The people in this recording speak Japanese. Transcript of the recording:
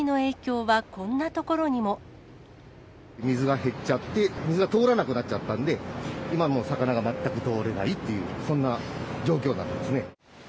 水が減っちゃって、水が通らなくなっちゃったんで、今はもう、全く魚が通れないっていう、そんな状況なんですね。